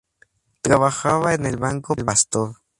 Trabajaba en el Banco Pastor.